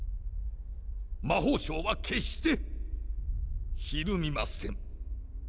魔法省は決してひるみません